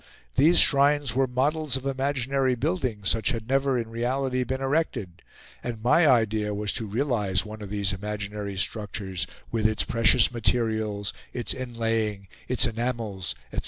These shrines were models of imaginary buildings, such as had never in reality been erected; and my idea was to realise one of these imaginary structures with its precious materials, its inlaying, its enamels, etc.